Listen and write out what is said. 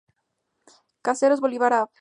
Caseros, Bolívar, Av.